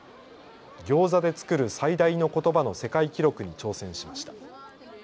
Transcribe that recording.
ギョーザで作る最大のことばの世界記録に挑戦しました。